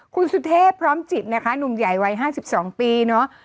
คุณสุเทพพร้อมจิตนะคะหนุ่มใหญ่วัย๕๒ปีเนาะ